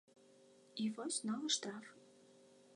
І вось новы штраф.